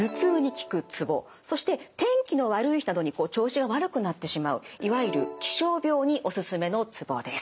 そして天気の悪い日などにこう調子が悪くなってしまういわゆる気象病にオススメのツボです。